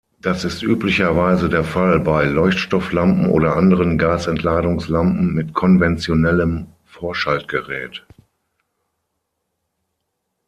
Das ist üblicherweise der Fall bei Leuchtstofflampen oder anderen Gasentladungslampen mit konventionellem Vorschaltgerät.